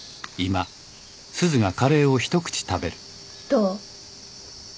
どう？